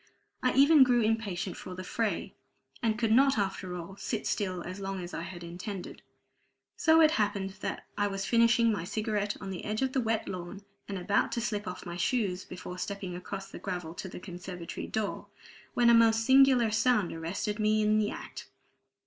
I even grew impatient for the fray, and could not after all sit still as long as I had intended. So it happened that I was finishing my cigarette on the edge of the wet lawn, and about to slip off my shoes before stepping across the gravel to the conservatory door, when a most singular sound arrested me in the act.